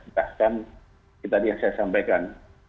bahkan tadi yang saya sampaikan